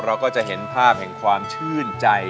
เราก็จะเห็นภาพแห่งความชื่นใจ